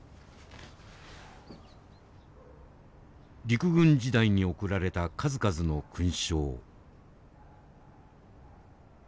陸軍時代に贈られた数々の勲章。